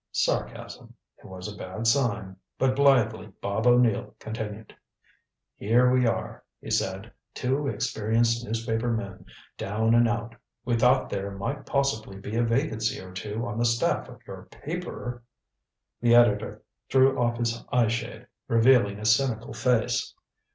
Sarcasm. It was a bad sign. But blithely Bob O'Neill continued. "Here we are," he said, "two experienced newspaper men, down and out. We thought there might possibly be a vacancy or two on the staff of your paper " The editor threw off his eye shade, revealing a cynical face.